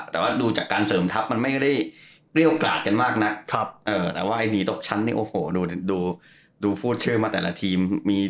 แต่ว่าดูจากการเสริมทัพมันไม่ได้เปรี้ยวกราดกันมากนักแต่ว่าไอ้หนีตกชั้นเนี่ยโอ้โหดูพูดชื่อมาแต่ละทีมมี